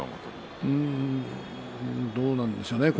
うーんどうなんでしょうね